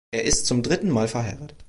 Er ist zum dritten Mal verheiratet.